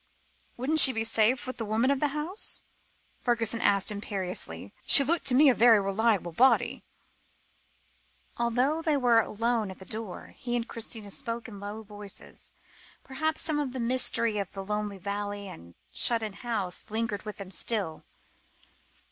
"Wouldn't she be safe with the woman of the house?" Fergusson asked imperiously; "she looked to me a very reliable body." Although they were alone at the door, he and Christina spoke in low voices; perhaps some of the mystery of the lonely valley and shut in house, lingered with them still.